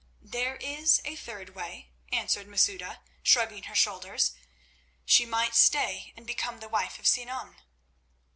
"There is a third way," answered Masouda, shrugging her shoulders. "She might stay and become the wife of Sinan."